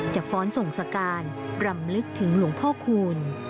ฟ้อนส่งสการรำลึกถึงหลวงพ่อคูณ